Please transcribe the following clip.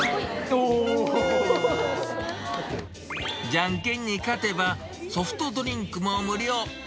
じゃんけんに勝てば、ソフトドリンクも無料。